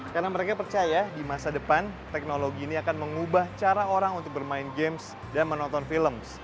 karena mereka percaya di masa depan teknologi ini akan mengubah cara orang untuk bermain games dan menonton film